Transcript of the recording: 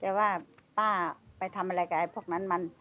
แต่ว่าป้าไปทำอะไรกับไอ้พวกนั้นมัน